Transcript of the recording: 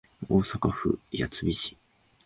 大阪府八尾市